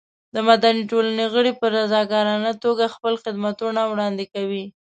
د مدني ټولنې غړي په رضاکارانه توګه خپل خدمتونه وړاندې کوي.